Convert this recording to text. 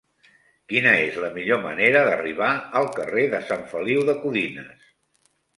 Quina és la millor manera d'arribar al carrer de Sant Feliu de Codines?